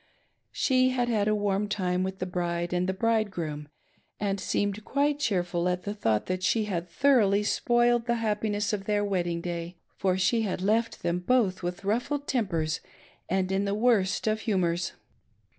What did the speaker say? She had had a warm time with the bride and bridegroom, and seemed quite cheerful at the thought that she had thoroughly spoilt the happiness of their wedding day, for she had left them both with ruffled tempers and in the worst of humors.